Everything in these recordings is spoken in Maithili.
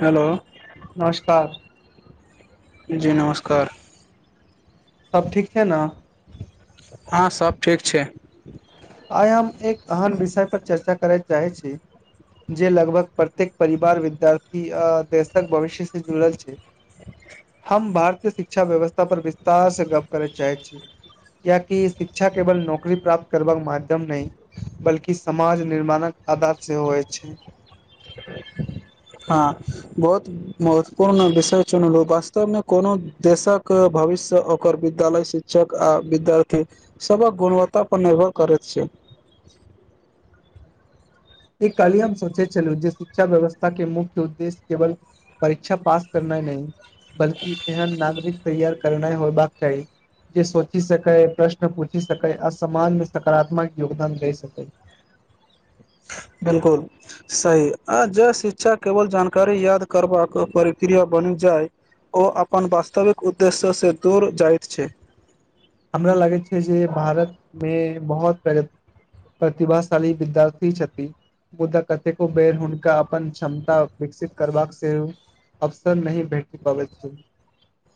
हेलो नमस्कार जी नमस्कार सभ ठीक छै न हँ सभ ठीक छै आइ हम एक एहन विषय पर चर्चा करय चाहे छी जे लगभग प्रत्येक परिवार विद्यार्थी आ देशक भविष्य से जुड़ल छै हम भारतीय शिक्षा व्यवस्था पर विस्तारसँ गप्प करय चाहैत छी कियाकि शिक्षा केवल नौकरी प्राप्त करबाक माध्यम नहि बल्कि समाज निर्माणक आधार सेहो होइ छै हँ बहुत महत्वपूर्ण विषय चुनलहुँ वास्तवमे कोनो देशक भविष्य ओकर विद्यालय शिक्षा आ विद्यार्थी सबक गुणवत्ता पर निर्भर करैत छै एक काल्हि हम सोचे छलहु जे शिक्षा व्यवस्था के मुख्य उद्देश्य केवल परीक्षा पास करना नहि बल्कि एहन नागरिक तैयार करनाइ होयबाक चाही जे सोचि सकै प्रश्न पूछि सकै आ समान सकारात्मक योगदान दे सकै [inaudible] बिलकुल सही आ जे शिक्षा केवल जानकारी याद करबाक प्रक्रिया बनि जाय ओ अपन वास्तविक उद्देश्यसँ दूर जाइत छै हमरा लागैत छै जे भारतमे बहुत पे प्रतिभाशाली विद्यार्थी छथि मुदा कतेको बेर हुनका अपन क्षमता विकसित करबाक सेहो अवसर नहि भेट पाबैत छै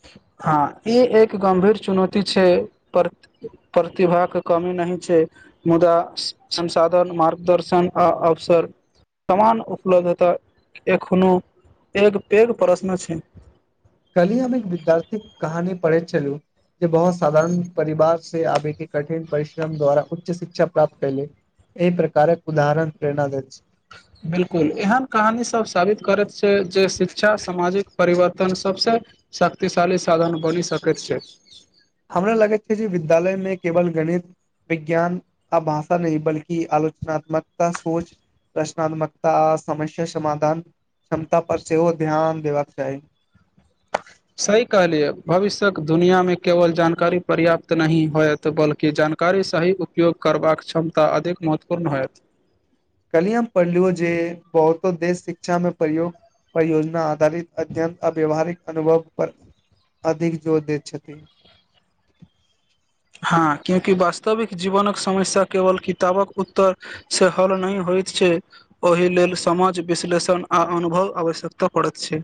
[inaudible] हँ ई एक गम्भीर चुनौती छै पर प्रतिभाके कमी नहि छै मुदा संसाधन मार्गदर्शन आ अवसर सामान उपलब्धताक एखनो एक पैघ प्रश्न छै काल्हि हम एक विद्यार्थीक कहानी पढ़ैत छलु बहुत साधारण परिवार सँ आबि कऽ कठिन परिश्रम द्वारा उच्च शिक्षा प्राप्त कैले। एहि प्रकार उदाहरण प्रेरणा दैत छै। बिलकुल, एहन कहानी सभ साबित करैत छै जे शिक्षा सामाजिक परिवर्तन सभसँ शक्तिशाली साधन बनि सकैत छै। हमरा लगैत छै जे विद्यालय मे केवल गणित विज्ञान आ भाषा नहि बल्कि आलोचनात्मक सोच। प्रश्नात्मकता समस्या समधान क्षमता पर सेहो ध्यान देबाक चाही सही कहलियै भविष्य तक दुनियामे केवल जानकारी पर्याप्त नहि होयत, बल्कि जानकारीक सही उपयोग करबाक चाही। क्षमता अधिक महत्वपूर्ण होयत काल्हि हम पढ़लियौ जे बहुतो देश शिक्षामे प्रयोग परियोजना आधारित अध्ययन आ व्यावहारिक अनुभव पर। अधिक जोर दैत छथिन हँ, किएक तँ वास्तविक जीवनक समस्या केवल किताबक उत्तर सँ हल नहि होयत। होइत छै, ओहि लेल समझ, विश्लेषण आ अनुभवक आवश्यकता पड़ैत छै।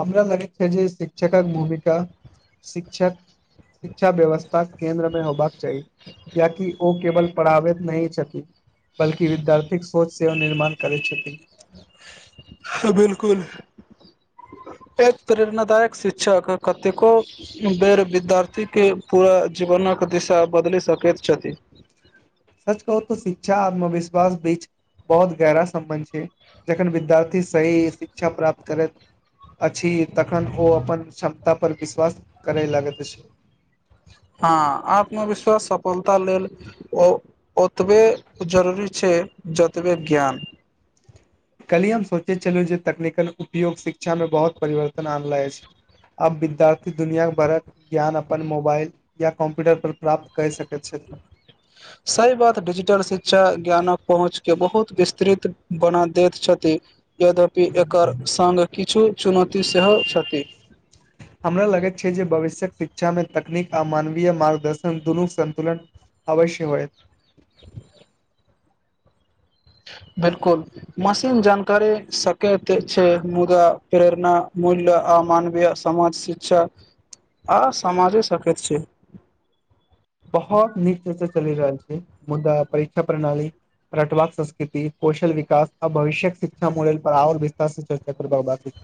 हमरा लगैत छै जे शिक्षकक भूमिका शिक्षक शिक्षा व्यवस्थाक केन्द्रमे होबाक चाही। किएक तँ ओ केवल पढ़बैत नहि छथि। बल्कि विद्यार्थीक सोच सेहो निर्माण करैत छथि। बिलकुल एक प्रेरणादायक शिक्षक कतेको बेर विद्यार्थीक पूरा जीवन दिशा बदल सकेत सच कहू तऽ शिक्षा आत्मविश्वास बीच बहुत गहिर सम्बन्ध छै, जखन विद्यार्थी सही शिक्षा प्राप्त करैत अछि, तखन ओ अपन क्षमता पर विश्वास करय लगैत अछि। हाँ आत्मविश्वास सफलता लेल ओ ओतबे जरूरी छै जतबे ज्ञान। काल्हि हम सोचैत छलहुँ जे तकनीकी उपयोग शिक्षामे बहुत परिवर्तन अनल अछि। आब विद्यार्थी दुनियाभरक ज्ञान अपन मोबाइल या कम्प्यूटर पर प्राप्त कऽ सकैत छथि। [inaudible] सही बात, डिजिटल शिक्षा ज्ञानक पहुँचके बहुत विस्तृत बना दैत छथि यद्यपि एकर संघ किछु चुनौती सेहो छथि। हमरा लगे छै जे भविष्यक शिक्षामे तकनीक आ मानवीय मार्गदर्शन दुनूके संतुलन अवश्य होयबाक चाही। [inaudible] [inaudible] बिल्कुल, मशीन जानकारी दऽ सकैत छै मुदा प्रेरणा, मूल्य आ मानवीय समाज शिक्षा आ समाज सँ सकैत छी। बहुत नीक सँ चलि रहल छै, मुदा परीक्षा प्रणाली रटव संस्कृति, कौशल विकास आ भविष्यक शिक्षामे विस्तार सँ चर्चा करब। [inaudible]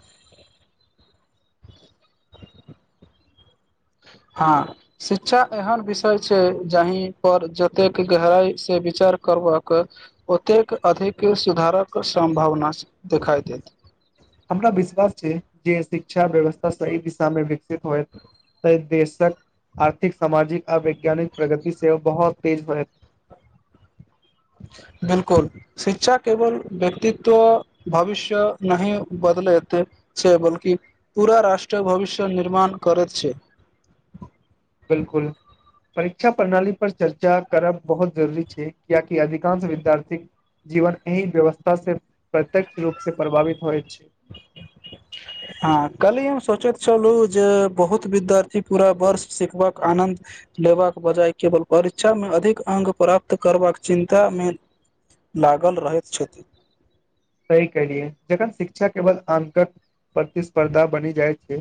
हाँ, शिक्षा एहन विषय छै जाहि पर जतेक गहराई सँ विचार करबाक ओतेक अधिक सुधारक सम्भावना देखाइ देत। हमरा विश्वास छै जे शिक्षा व्यवस्था सही दिशा मे विकसित होइ तऽ देश आर्थिक सामाजिक आ वैज्ञानिक प्रगति सेहो बहुत तेज होय [inaudible] बिल्कुल, शिक्षा केवल व्यक्तिक भविष्य नहि बदलैत। छै बल्कि पूरा रष्ट्र भविष्य निर्माण करैत छै बिल्कुल परीक्षा प्रणाली पर चर्चा करब बहुत जरूरी छै कियाकि अधिकांश विद्यार्थीक जीवन एहि व्यवस्था से प्रत्यक्ष रूपसे प्रभावित होइत छै हाँ काल्हि हम सोचैत छलु जे बहुत विद्यार्थी पूरा वर्ष सिखबाक आनन्द लेबाक बजाय केवल परीक्षामे अधिक अंक प्राप्त करबाक चिन्तामे लागल रहैत छथि सही केलियै जखन शिक्षा केवल अंकक प्रतिस्पर्धा बनि जाइ छै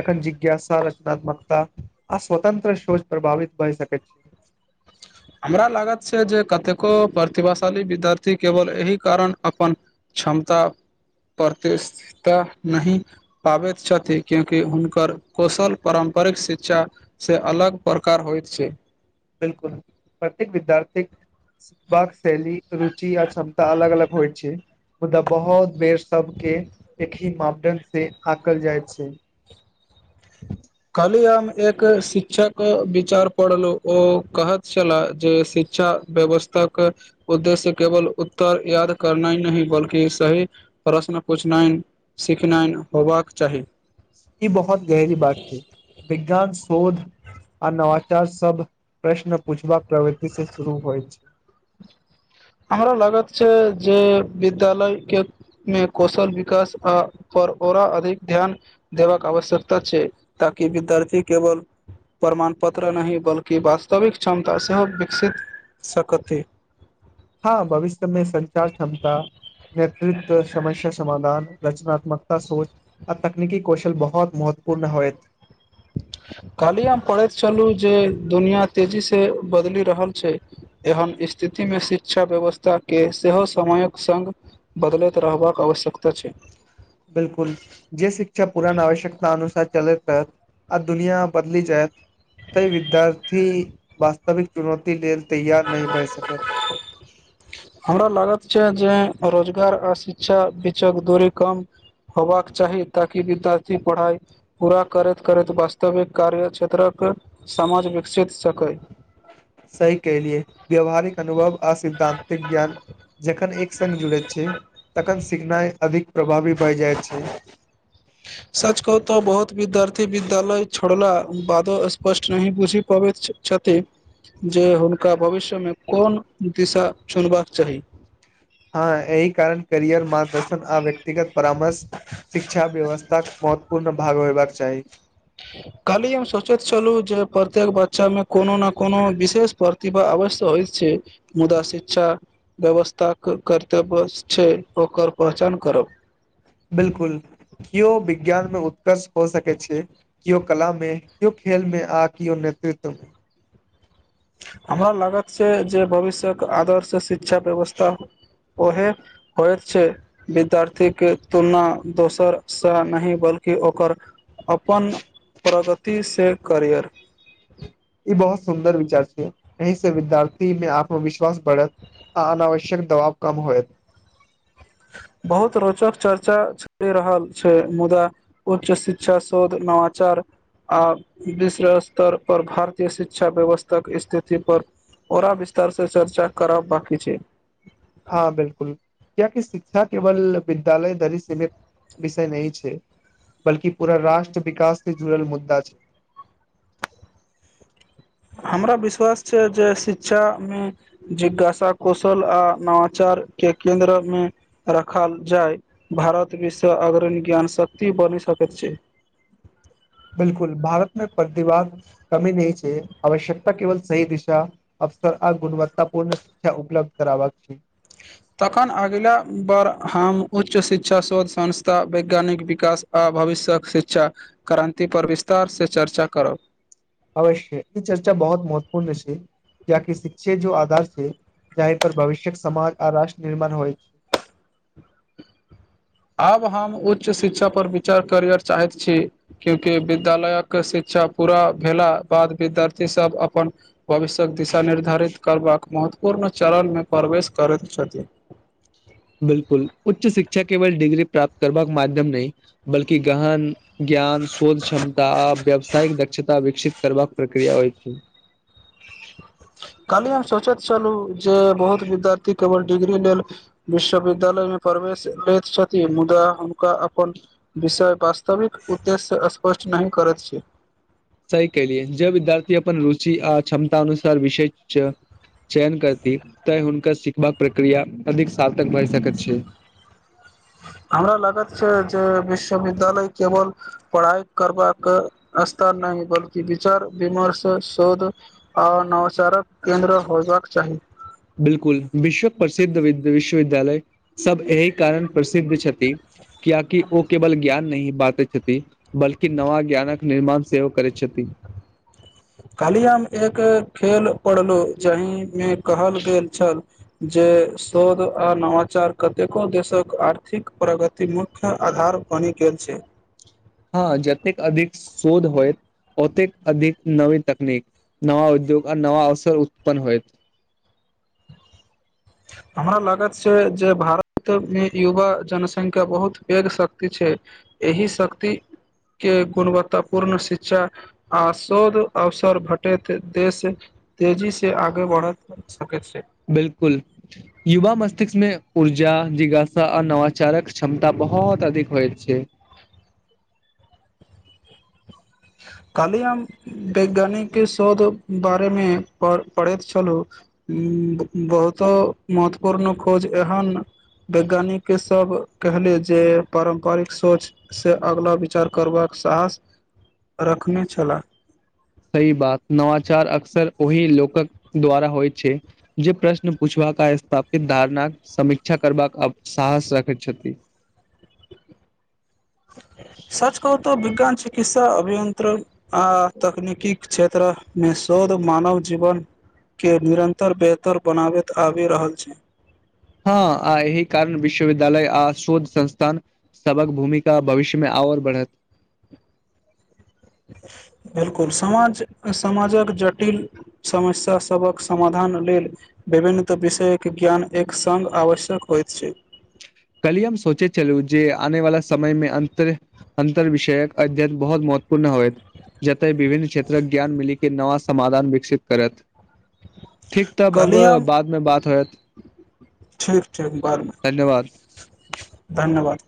तखन जिज्ञासा रचनात्मकता आ स्वतन्त्र सोच प्रभावित भइ सकै [inaudible] हमरा लागत छै जे कतेको प्रतिभाशाली विद्यार्थी केवल एहि कारण अपन क्षमता प्रतिष्ठिता नहि पाबैत छथि क्योंकि हुनकर कौशल परम परिक शिक्षा से अलग प्रकार होइत छै बिल्कुल प्रत्येक विद्यार्थीक सिखबाक शैली रुचि आ क्षमता अलग अलग होइ छै मुदा बहुत बेर सभके एकहि मापदण्डसे आँकल जाइत छै काल्हि हम एक शिक्षक विचार पढ़लहु ओ कहैत छलाह जे शिक शिक्षा व्यवस्था के उद्देश्य केवल उत्तर याद करना नहि बल्कि सही प्रश्न पूछनाहि सिखनाइनि होयबाक चाही ई बहुत गहरी बात ही विज्ञान शोध आ नवचार सब प्रश्न पूछबाक प्रवृति से शुरू होइ छै हमरा लागत छै जे विद्यालय के मे कौशल विकास आ पर ओरा अधिक ध्यान देबाक आवश्यकता छै ताकि विद्यार्थी केवल प्रमाण पत्र नहि बल्कि वास्तविक क्षमता सेहो विकसित सकति हँ भविष्य मे संचार क्षमता नेतृत्व समस्या समाधान रचनात्मकता सोच आ तकनीकी कौशल बहुत महत्वपूर्ण होयत काल्हि हम पढ़ैत छलू जे दुनिया तेजी से बदलि रहल छै हम स्थिति मे शिक्षा व्यवस्था के सेहो समयक संग बदलैत रहबाक आवश्यकता छै बिलकुल जे शिक्षा पुरान आवश्यकता अनुसार चलैत रहत आ दुनिया बदलि जायत तै विद्यार्थी वास्तविक चुनौती लेल तैयार नहि भए सकत हमरा लागत छै जे रोजगार आ शिक्षा बीचक दूरी कम होबाक चाही ताकि विद्यार्थी पढ़ाई पूरा करैत करैत वास्तविक कार्य क्षेत्रक समाज विकसित सकै सही कहलियै व्यावहारिक अनुभव आ सिद्धान्तिक ज्ञान जखन एक संग जुड़ैत छै तखन सिखनाइ अधिक प्रभावी भए जाइत छै सच कहूं तऽ बहुत विद्यार्थी विद्यालय छोड़ला बादो स्पष्ट नहि बुझि पाबैत छ छथि जे हुनका भविष्यमे कोन दिशा चुनबाक चाही हँ एहि कारण करियर मार्गदर्शन आ व्यक्तिगत परामर्श शिक्षा व्यवस्थाक महत्वपूर्ण भाग होयबाक चाही काल्हि हम सोचैत छलहुँ जे प्रत्येक बच्चामे कोनो न कोनो विशेष प्र तिभा अवश्य होइत छै मुदा शिक्षा व्यवस्था करते बस छै ओकर पहचान करब बिल्कुल केओ विज्ञान मे उत्कर्ष हो सकैत छै केओ कला मे केओ खेल में आ किओ नेतृत्वमे हमरा लागत छै जे भविष्यक आदर्श शिक्षा व्यवस्था ओहे होइत छै विद्यार्थीके तुलना दोसरसँ नहि बल्कि कि ओकर अपन प्रगतिसँ करियर ई बहुत सुन्दर विचार छै एहि से विद्यार्थी में आत्मविश्वास बढ़त आ अनावश्यक दबाव कम होएत बहुत रोचक चर्चा चलि रहल छै मुदा उच्च शिक्षा शोध नवाचार आ विश्व स्तर पर भारतीय शिक्षा व्यवस्थाक स्थिति पर ओरा विस्तार से चर्चा करब बाकी छै हँ बिलकुल कियाकि शिक्षा केवल विद्यालय धरि सीमित विषय नहि छै बल्कि पूरा राष्ट्र विकास से जुड़ल मुद्दा छै [inaudible] हमरा विश्वास छै जे शिक्षामे जिज्ञासा कौशल आ नवाचार के केंन्द्रमे रखल जाय भारत विश्व अग्रणी ज्ञान शक्ति बन नि सकैत छै बिलकुल भारत मे प्रतिभाक कमी नहि छै आवश्यकता केवल सही दिशा अवसर आ गुणवत्ता पूर्ण शिक्षा उपलब्ध करबाक छै तखन अगिला बार हम उच्च शिक्षा शोध संस्था वैज्ञानिक विकास आ भविष्यक शिक्षा क्रान्ति पर विस्तारसँ चर्चा करब अवश्य ई चर्चा बहुत महत्वपूर्ण छै कियाक शिक्षे जो आधार छै जाई पर भविष्यक समाज आ राष्ट्र निर्माण होइत छै [inaudible] आब हम उच्च शिक्षा पर विचार करयत चाहैत छी क्योंकि विद्यालयक शिक्षा पूरा भेला बाद विद्यार्थी सब अपन भविष्यक दिशा निर्धारित करबाक महत्व पूर्ण चरणमे प्रवेश करैत छथिन [inaudible] बिलकुल उच्च शिक्षा केवल डिग्री प्राप्त करबाक माध्यम नहि बल्कि गहन ज्ञान ज्ञान शोध क्षमता आ व्यावसायिक दक्षता विकसित करबाक प्रक्रिया होइत छै [inaudible] काल्हि हम सोचैत छलू जे बहुत विद्यार्थी केवल डिग्री लेल विश्वविद्यालय मे प्रवेश लैत छथिन मुदा हुनका अपन विषय वास्तविक उद्देश्य स्पष्ट नहि करैत छै सही कलियए जे विद्यार्थी अपन रुचि आ क्षमता अनुसार विषय च चयन करती तैँ हुनकर सिखबाक प्रक्रिया अधिक साल तक बैढ़ सकैत छै हमरा लागत छै जे विश्वविद्यालय केवल पढ़ाई करबाक स्तर नहि बल्कि विचार विमर्श शोध आ नवचारक केंन्द्र होयबाक चाही बिलकुल विश्वक प्रसिद्ध विश्वविद्यालय सब एहि कारण प्रसिद्ध छथि कियाकि ओ केवल ज्ञान नहि बाँटै छथिन बल्कि नवा ज्ञानक निर्माण सेहो करै छथिन [inaudible] खालियाम एक खेल पढ़लहुँ जहिमे कहल गेल छल जे शोध आ नवाचार कतेको देशक आर्थिक प्रगति मुख्य आधार बनी गेल छै हँ जतेक अधिक शोध होयत ओतेक अधिक नवी तकनीक नवा उद्योग आ नवा अवसर उत्पन्न होयत [inaudible] हमरा लागत छै जे भारत मे युवा जनसंख्या बहुत पैघ शक्ति छै एहि शक्ति के गुणवत्ता पूर्ण शिक्षा आ शोध अवसर भेटैत देश तेजी से आगे बढ़ा सकैत छै बिल्कुल युवा मस्तिष्कमे ऊर्जा जिज्ञासा आ नवाचारक क्षमता बहुत बहुँत अधिक होए छै [inaudible] खाली हम वैज्ञानिक शोध बारेमे पढ पढ़ैत छलहुँ बहुतो महत्वपूर्ण खोज एहन वैज्ञानिकके सभ कहले जे पारम्परिक सोचसँ अगला विचार करबाक साहास [inaudible] रखने छलाह सही बात नवाचार अकसर ओहि लोकक द्वारा होइ छै जे प्रश्न पूछबाक आ स्थापित धारना समीक्षा करबाक अव साहस रखैत छथि सच कहू तऽ विज्ञान चिकित्सा अभियंत्रण आ तकनीकिक क्षेत्र मे शोध मानव जीवन के निरन्तर बेहतर बनाबैत आबि रहल छै हँ आ एहि कारण विश्वविद्यालय आ शोध संस्थान सबक भूमिका भविष्यमे आओर बढ़त बिलकुल समाज समाजक जटिल समस्या सभक समाधान लेल विभिन्नत विषयक ज्ञान एक संग आवश्यक होइत छै कली हम सोचे छलू जे आने वाला समय मे अन्त्र अन्तर विषयक अध्यन बहुत मो महत्वपूर्ण होयत जतय विभिन्न क्षेत्रक ज्ञान मिलिके नवा समाधान विकसित करत ठीक तब अब कहलियै हम बादमे बात होयत ठीक ठीक बादमे धन्यवाद धन्यवाद